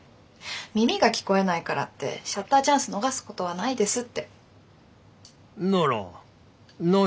耳が聞こえないからってシャッターチャンス逃すことはないですって。